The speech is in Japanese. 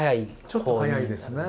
ちょっと早いですね。